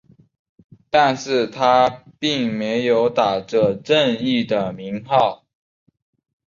但是他并没有打着正义的名号。